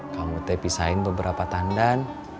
kamu te pisahin beberapa tandan